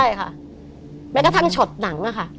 ใช่ค่ะแม้กระทั่งช็อตหนังอะค่ะ